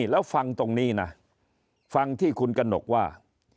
แล้วฟังตรงนี้นะฟังที่คุณกระหนกว่า